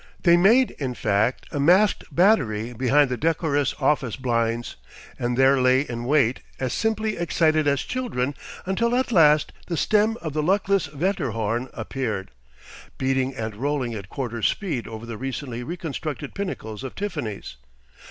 They made, in fact, a masked battery behind the decorous office blinds, and there lay in wait as simply excited as children until at last the stem of the luckless Wetterhorn appeared, beating and rolling at quarter speed over the recently reconstructed pinnacles of Tiffany's.